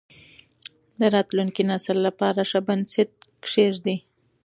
د راتلونکي نسل لپاره ښه بنسټ کېږدئ.